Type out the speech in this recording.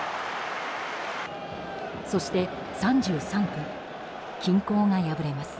そして３３分、均衡が破れます。